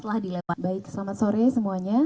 telah dilewat baik selamat sore semuanya